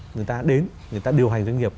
người ta đến người ta điều hành doanh nghiệp